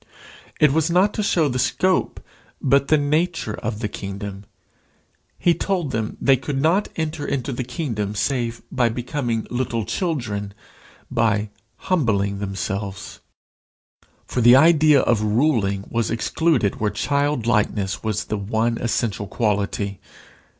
It was not to show the scope but the nature of the kingdom. He told them they could not enter into the kingdom save by becoming little children by humbling themselves. For the idea of ruling was excluded where childlikeness was the one essential quality.